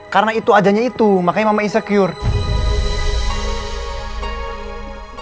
karena itu ajanya itu makanya mama insecure